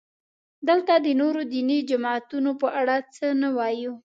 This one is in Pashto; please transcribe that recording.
دلته د نورو دیني جماعتونو په اړه څه نه وایو.